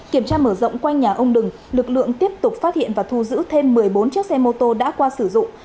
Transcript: kiểm tra mở rộng quanh nhà ông đừng lực lượng tiếp tục phát hiện và thu giữ thêm một mươi bốn chiếc xe mô tô đã qua sử dụng